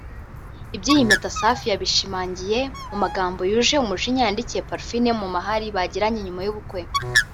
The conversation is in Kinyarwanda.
Iby’iyi mpeta Safi yabishimangiye mu magambo yuje umujinya yandikiye Parfine mu mahari bagiranye nyuma y’ubukwe